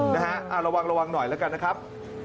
นะฮะระวังหน่อยละกันนะครับ